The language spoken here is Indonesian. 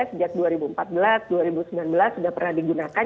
sejak dua ribu empat belas dua ribu sembilan belas sudah pernah digunakan